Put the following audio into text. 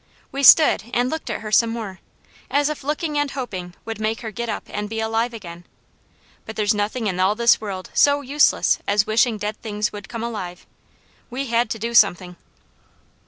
We stood and looked at her some more, as if looking and hoping would make her get up and be alive again. But there's nothing in all this world so useless as wishing dead things would come alive; we had to do something.